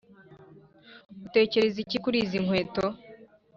utekereza iki kuri izi nkweto?